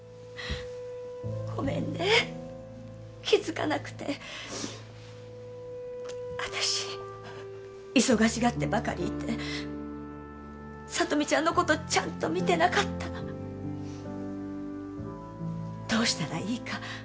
ごめんね気づかなくて私忙しがってばかりいて聡美ちゃんのことちゃんと見てなかったどうしたらいいか